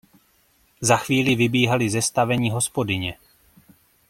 Za chvíli vybíhaly ze stavení hospodyně.